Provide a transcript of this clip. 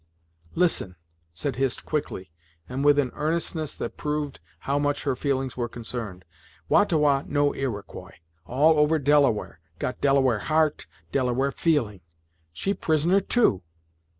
"Listen " said Hist quickly, and with an earnestness that proved how much her feelings were concerned "Wah ta Wah no Iroquois All over Delaware got Delaware heart Delaware feeling. She prisoner, too.